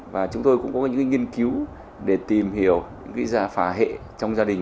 và chúng tôi cũng có những nghiên cứu để tìm hiểu những cái phá hệ trong gia đình